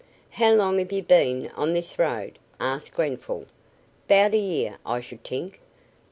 "How long have you been on this road?" asked Grenfall. "'Bout a year, I should t'ink.